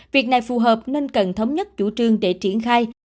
việc này phù hợp nên cần thống nhất chủ trương để triển khai